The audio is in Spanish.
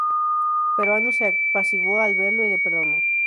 Pero Anu se apaciguó al verlo y le perdonó.